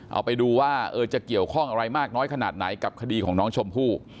เอาไปดูว่าจะเกี่ยวข้องอะไรมากน้อยขนาดไหนกับคดีของน้องชมพู่